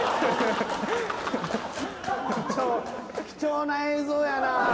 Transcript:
貴重な映像やな。